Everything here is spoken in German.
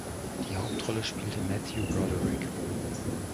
Die Hauptrolle spielte Matthew Broderick.